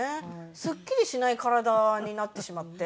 すっきりしない体になってしまって。